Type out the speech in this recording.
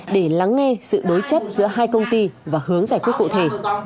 để lắng nghe sự đối chất giữa hai công ty và hướng giải quyết cụ thể